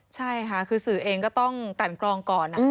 ใช่ค่ะคือสื่อเองก็ต้องกลั่นกรองก่อน